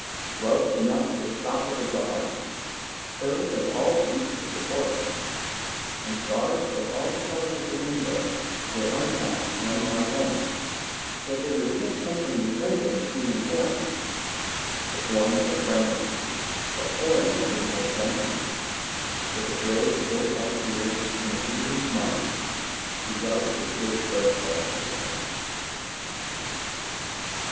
Rugs enough to stock a bazaar, furs of all the beasts of the forest, and scarves of all the colours of the rainbow were unwrapped one by one, till they revealed something resembling the human form; the form of a friendly, but foreign looking old gentleman, with a grey goat like beard and a beaming smile, who rubbed his big fur gloves together.